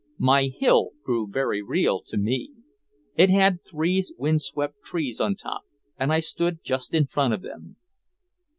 My hill grew very real to me. It had three wind swept trees on top and I stood just in front of them.